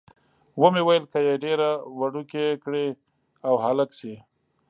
ومې ویل، که یې ډېره وړوکې کړي او هلک شي.